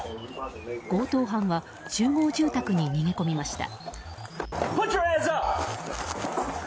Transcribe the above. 強盗犯は集合住宅に逃げ込みました。